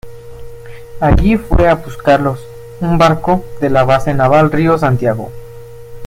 Allí fue a buscarlos un barco de la Base Naval Río Santiago.